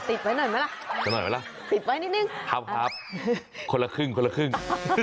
ติดไว้หน่อยมั้ยล่ะติดไว้นิดนึงครับครับคนละครึ่งคนละครึ่ง